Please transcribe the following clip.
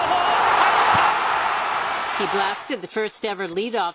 入った！